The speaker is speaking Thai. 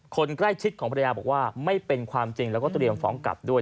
คนใกล้ชิดของภรรยาบอกว่าไม่เป็นความจริงแล้วก็เตรียมฟ้องกลับด้วย